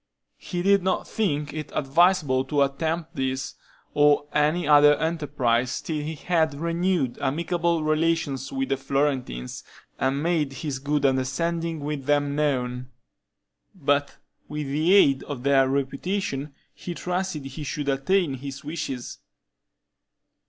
He did not think it advisable to attempt this, or any other enterprise, till he had renewed amicable relations with the Florentines, and made his good understanding with them known; but with the aid of their reputation he trusted he should attain his wishes.